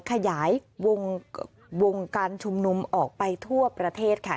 ขยายวงการชุมนุมออกไปทั่วประเทศค่ะ